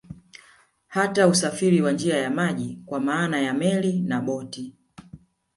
Hata usafiri wa njia ya maji kwa maana ya Meli na boti